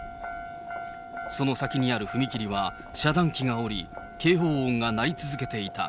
その先にある踏切は遮断機が下り、警報音が鳴り続けていた。